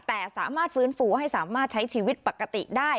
แต่สามารถฟื้นฟูให้สามารถใช้ชีวิตปกติได้